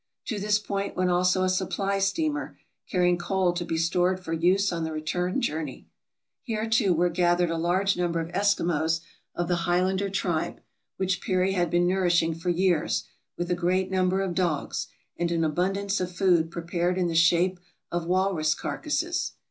To this point went also a supply steamer carrying coal to be stored for use on the return journey. Here, too, were gathered a large number of Eskimos of the Highlander tribe, which Peary had been nourishing for years, with a great number of dogs, and an abundance of food prepared in the shape of walrus carcasses.